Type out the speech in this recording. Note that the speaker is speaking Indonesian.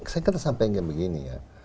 saya kata sampai begini ya